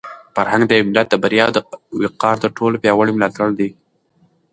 فرهنګ د یو ملت د بریا او د وقار تر ټولو پیاوړی ملاتړی دی.